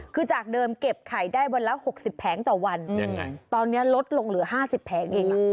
คือจากเดิมเก็บไข่ได้วันละหกสิบแผงต่อวันยังไงตอนเนี้ยลดลงเหลือห้าสิบแผงเอง